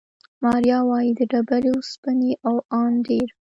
ماریا وايي، د ډېرې اوسپنې او ان ډېر